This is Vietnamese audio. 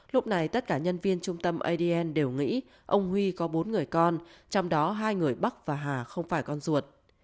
lúc này tất cả nhân viên trung tâm adn đều nghĩ ông huy có bốn người con trong đó hai người bắc và hà không phải con ruột